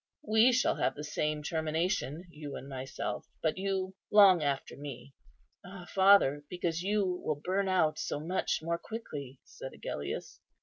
We shall have the same termination, you and myself, but you long after me." "Ah, father, because you will burn out so much more quickly!" said Agellius.